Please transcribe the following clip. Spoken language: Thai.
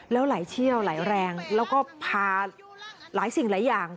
แล้วไหลเชี่ยวไหลแรงแล้วก็พาหลายสิ่งหลายอย่าง